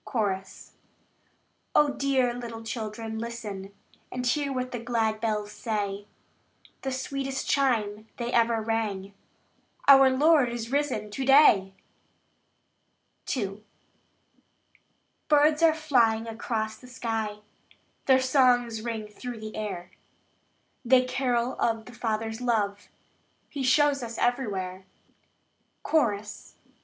Chorus. Oh, dear little children, listen, And hear what the glad bells say! The sweetest chime they ever rang "Our Lord is risen to day!" II. Birds are flying across the sky; Their songs ring through the air; They carol of the Father's love He shows us everywhere. Chorus.